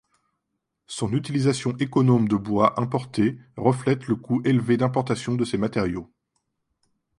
Son utilisation économe de bois importé reflète le coût élevé d'importation de ces matériaux.